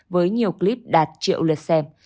với nhiều clip đạt triệu lượt xem